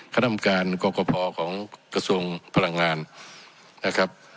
กรรมการกรกภของกระทรวงพลังงานนะครับ